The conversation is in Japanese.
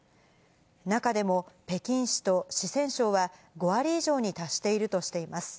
中でも、北京市と四川省は５割以上に達しているとしています。